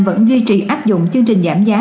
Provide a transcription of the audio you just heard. vẫn duy trì áp dụng chương trình giảm giá